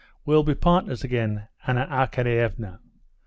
"We'll be partners again, Anna Arkadyevna."